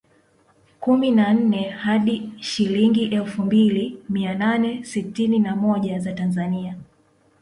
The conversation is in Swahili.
kumi na nne hadi shilingi efu mbili mia nane sitini na moja za Tanzania